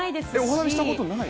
お花見したことない？